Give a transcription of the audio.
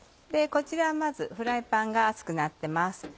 こちらはまずフライパンが熱くなってます。